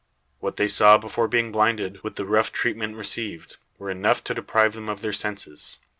What they saw before being blinded, with the rough treatment received, were enough to deprive them of their senses.